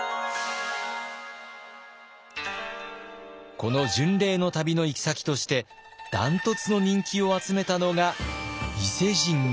この巡礼の旅の行き先として断トツの人気を集めたのが伊勢神宮。